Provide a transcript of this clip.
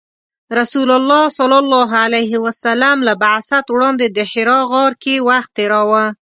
رسول الله ﷺ له بعثت وړاندې د حرا غار کې وخت تیراوه .